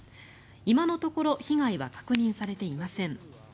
今のところ被害は確認されていません。